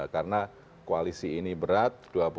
karena koalisi ini berat